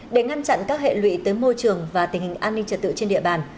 để ngăn chặn các hệ lụy tới môi trường và tình hình an ninh trật tự trên địa bàn